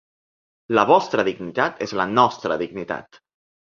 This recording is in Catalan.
La vostra dignitat és la nostra dignitat!